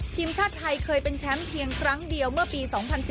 ทีมชาติไทยเคยเป็นแชมป์เพียงครั้งเดียวเมื่อปี๒๐๑๙